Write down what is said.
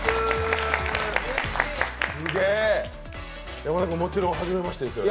山田君、もちろんはじめましてですよね？